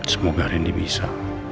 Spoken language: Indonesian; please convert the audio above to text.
semoga ren dibisa